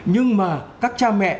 nhưng mà các cha mẹ